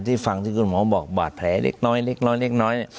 ฟังที่คุณหมอบอกบาดแผลเล็กน้อยเล็กน้อยเล็กน้อยเนี่ย